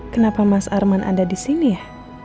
kenapa mas arman ada disini ya